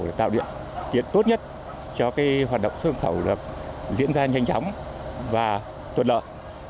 để tạo điện kiện tốt nhất cho cái hoạt động xuất khẩu diễn ra nhanh chóng và tuyệt lợi